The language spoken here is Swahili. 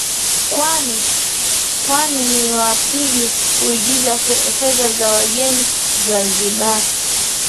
Mwani ni wa pili kuingiza fedha za kigeni Zanzibar